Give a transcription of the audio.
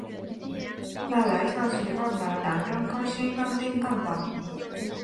马来犀孔鲷为孔头鲷科犀孔鲷属的鱼类。